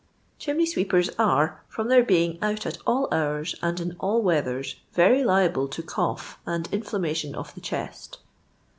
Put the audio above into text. — Chimney sweepers are, from their beins: out at all hours and in all weathers, very liable to cough and inflammation of the chest.